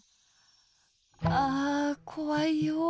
あこわいよ。